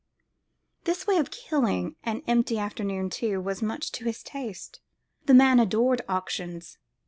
This way of killing an empty afternoon, too, was much to his taste. The man adored auctions.